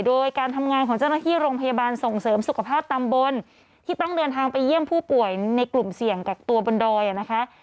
โดยการทำงานของเจ้าหน้าที่โรงพยาบาลส่งเสริมสุขภาพตำบลที่ต้องเดินทางไปเยี่ยมผู้ป่วยในกลุ่มเสี่ยงกักตัวบนดอยนะคะ